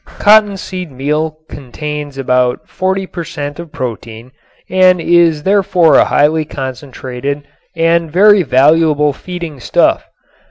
Cottonseed meal contains about forty per cent. of protein and is therefore a highly concentrated and very valuable feeding stuff.